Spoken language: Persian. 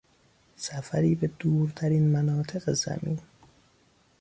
سفری به دورترین مناطق زمین